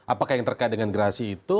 apakah yang terkait dengan gerasi itu